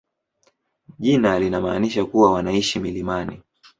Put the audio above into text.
Jina linamaanisha kuwa wanaishi milimani.